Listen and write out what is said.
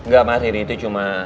gak mah riri itu cuma